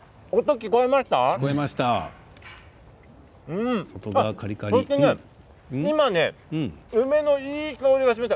聞こえました。